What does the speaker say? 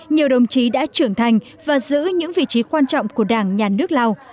nhiều đồng chí đã trưởng thành và giữ những vị trí quan trọng của đảng nhà nước lào